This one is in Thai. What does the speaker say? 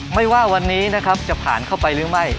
ไม่ว่าวันนี้นะครับจะผ่านเข้าไปหรือไม่